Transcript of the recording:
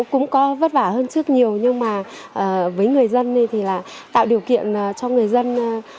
cũng có vất vả hơn trước nhiều nhưng mà với người dân thì là tạo điều kiện cho người dân